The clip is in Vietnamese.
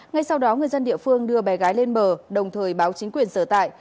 ngay sau đó người dân địa phương đưa bé gái lên bờ đồng thời báo chính quyền sở tại